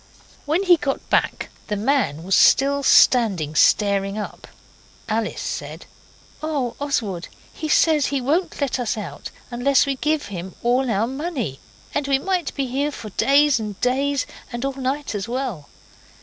When he got back the man was still standing staring up. Alice said 'Oh, Oswald, he says he won't let us out unless we give him all our money. And we might be here for days and days and all night as well.